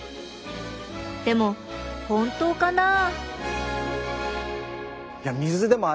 でも本当かなぁ？